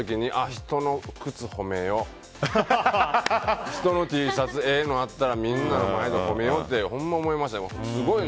人のＴシャツええのあったらみんなの前で褒めようって本当に思いました。